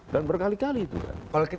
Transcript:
dan berkali kali itu kan